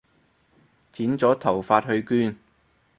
剪咗頭髮去捐